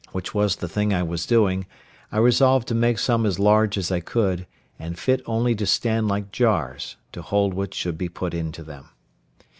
which was the thing I was doing, I resolved to make some as large as I could, and fit only to stand like jars, to hold what should be put into them.